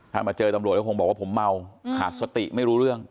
ถ้ามาเจอตำรวจก็คงบอกว่าผมเมาขาดสติไม่รู้เรื่อง